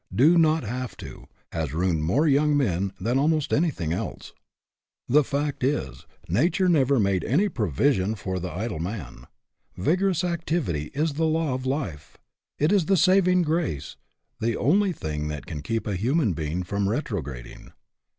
" Do not have to " has ruined more young men than almost anything else. The fact is, Nature never made any provision for the idle man. Vigorous activity is the law of life ; it is the saving grace, the only thing that can keep a human being from retrograding.